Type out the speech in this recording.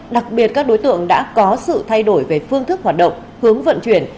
đặc biệt các đối tượng đã có sự thay đổi về phương thức hoạt động hướng vận chuyển